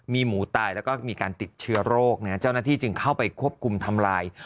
มีหมูตายแล้วก็มีการติดเชื้อโรคเจ้าหน้าที่จึงเข้าไปควบคุมทำลาย